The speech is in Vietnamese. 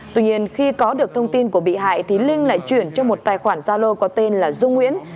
tuy nhiên khi có được thông tin của bị hại thì linh lại chuyển cho một tài khoản gia lô có tên là dung nguyễn